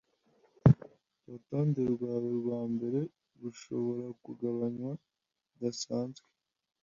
Urutonde rwawe rwa mbere rushobora kugabanywa bidasanzwe .